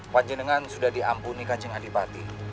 panjendengan sudah diampuni kaceng adipati